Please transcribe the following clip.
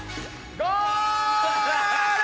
ゴール！